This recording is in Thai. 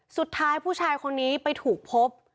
สุดท้ายผู้ชายคนนี้ไปถูกพบ